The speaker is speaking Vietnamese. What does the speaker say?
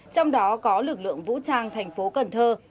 trong đó có lực lượng vũ trang thành phố cần thơ